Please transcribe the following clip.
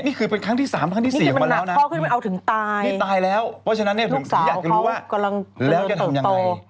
นี่คือเป็นครั้งที่๓ครั้งที่๔เขามาแล้วนะนี่ตายแล้วเพราะฉะนั้นนี่อยากจะรู้ว่าแล้วจะทำยังไง